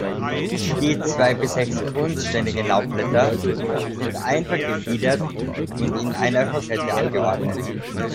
Die zwei bis sechs grundständigen Laubblätter sind einfach gefiedert und in einer Rosette angeordnet.